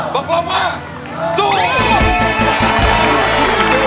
สู้สู้สู้สู้สู้